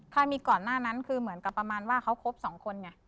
ถ้ามีก่อนหน้านั้นคือเหมือนกับประมาณว่าเขาครบสองคนไง